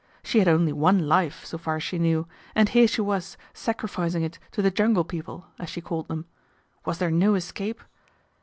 She had only one life, so far as she knew, and here she was sacrificing it to the jungle people, as she called them. Was there no escape